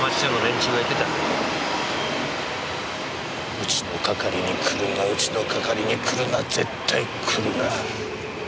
うちの係に来るなうちの係に来るな絶対来るな。